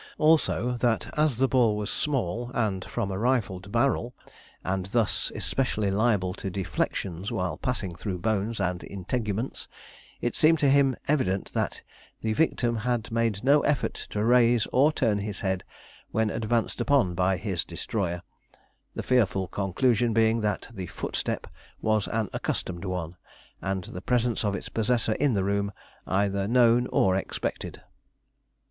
Also, that as the ball was small, and from a rifled barrel, and thus especially liable to deflections while passing through bones and integuments, it seemed to him evident that the victim had made no effort to raise or turn his head when advanced upon by his destroyer; the fearful conclusion being that the footstep was an accustomed one, and the presence of its possessor in the room either known or expected.